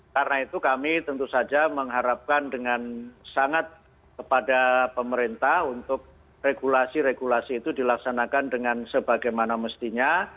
karena itu kami tentu saja mengharapkan dengan sangat kepada pemerintah untuk regulasi regulasi itu dilaksanakan dengan sebagaimana mestinya